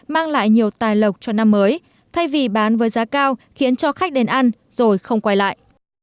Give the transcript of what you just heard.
mang lại nhiều tài lộc cho năm mới thay vì bán với giá cao khiến cho khách đến ăn rồi không quay lại